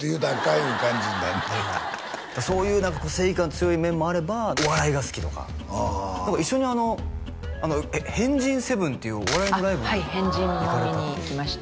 いう感じになんねやそういう正義感強い面もあればお笑いが好きとかああ一緒にあの「変人７」っていうお笑いのライブにはい「変人」も見にいきました